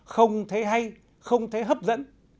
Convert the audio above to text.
không thấy hay không thấy hấp dẫn